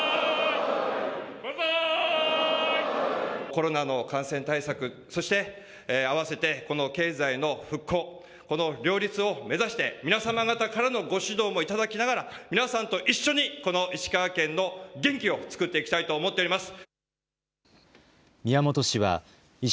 コロナの感染対策、そしてあわせてこの経済の復興、この両立を目指して皆様方からのご指導もいただきながら皆さんと一緒にこの石川県の元気をつくっていきたいと思っております。